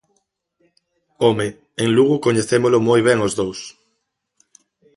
¡Home!, en Lugo coñecémolo moi ben os dous.